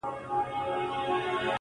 دا کمال ستا د جمال دی..